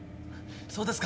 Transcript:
そうですか。